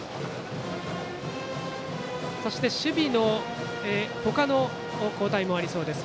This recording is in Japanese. そして、守備で他の交代もありそうです。